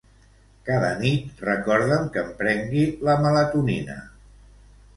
Cada nit recorda'm que em prengui la melatonina.